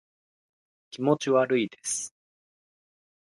気持ち悪いです